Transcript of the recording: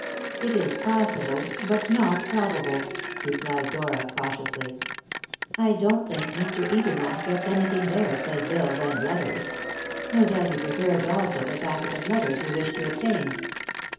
"It is possible, but not probable," replied Dora cautiously; "I don't think Mr. Edermont kept anything there save bills and letters. No doubt he preserved also the packet of letters you wished to obtain."